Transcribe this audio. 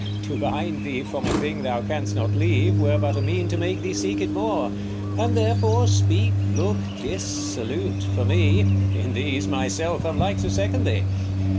King. To bind thee from a thing thou canst not leave, Were but a mean to make thee seek it more : And therefore speak, look, kiss, salute for me ; 35 In these myself am like to second thee.